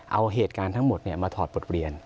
เอาเหตุการณ์ทั้งหมดมาถอดบทเรียน